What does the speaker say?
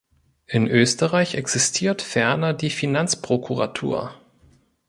In Österreich existiert ferner die Finanzprokuratur.